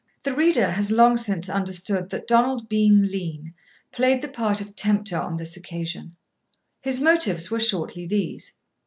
The reader has long since understood that Donald Bean Lean played the part of tempter on this occasion. His motives were shortly these.